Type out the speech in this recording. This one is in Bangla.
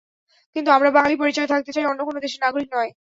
কিন্তু আমরা বাঙালি পরিচয়ে থাকতে চাই, অন্য কোনো দেশের নাগরিক নয়।